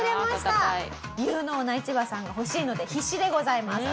有能なイチバさんが欲しいので必死でございます。